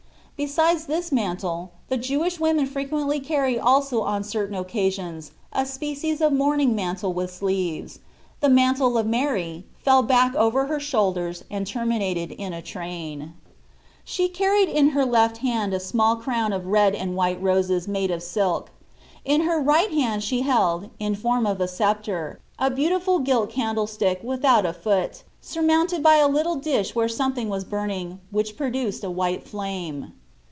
Besides this mantle, the Jewish women frequently carry also on certain occasions a species of mourning mantle with sleeves the mantle of Mary fell back over her shoulders and terminated in a train. ur Xorfc Jesus Cbrist, 9 She carried in her left hand a small crown of red and white roses made of silk. In her right hand she held, in form of a sceptre, a beautiful gilt candlestick, without a foot, surmounted by a little dish where something was burning, which produced a white flame.